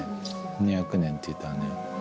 ２００年っていったらね。